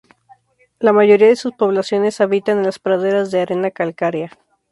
La mayoría de sus poblaciones habitan en las praderas de arena calcárea.